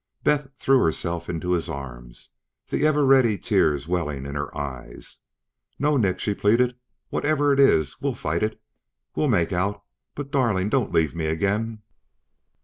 Beth threw herself into his arms, the ever ready tears welling in her eyes. "No, Nick," she pleaded. "Whatever it is, we'll fight it. We'll make out, but darling, don't leave me again!"